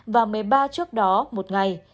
và một mươi ba trước đó một ngày